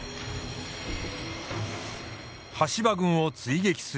羽柴軍を追撃する。